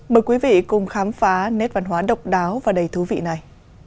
mời quý vị cùng khám phá nét văn hóa độc đáo và đầy thú vị này